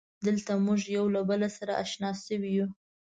دلته مونږ یو له بله سره اشنا شوي یو.